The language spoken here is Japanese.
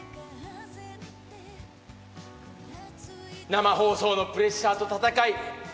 生放送のプレッシャーと戦い